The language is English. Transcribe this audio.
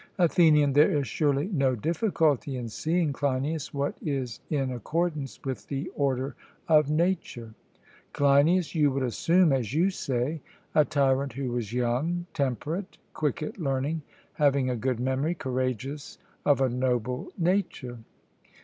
ATHENIAN: There is surely no difficulty in seeing, Cleinias, what is in accordance with the order of nature? CLEINIAS: You would assume, as you say, a tyrant who was young, temperate, quick at learning, having a good memory, courageous, of a noble nature?